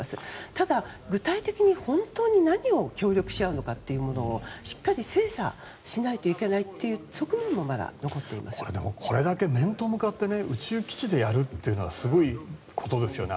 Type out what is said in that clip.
ただ、具体的に本当に何を協力し合うのかしっかり精査しないといけないという側面もまだこれだけ面と向かって宇宙基地でやるのはすごいことですよね。